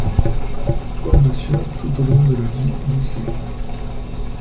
Formations tout au long de la vie-Lycées.